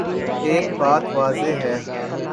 ایک بات واضح ہے۔